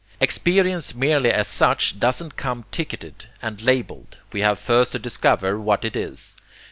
Experience merely as such doesn't come ticketed and labeled, we have first to discover what it is.